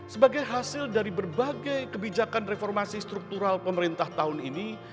sebagai hasil dari berbagai kebijakan reformasi struktural pemerintah tahun ini